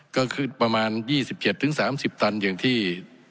ก็คือประมาณ๒๗๓๐ตันอย่างที่